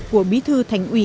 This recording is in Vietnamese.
của bí thư thành ủy